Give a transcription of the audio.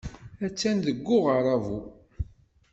Attan deg uɣerrabu.